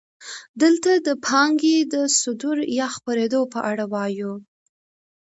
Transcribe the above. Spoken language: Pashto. دلته د پانګې د صدور یا خپرېدو په اړه وایو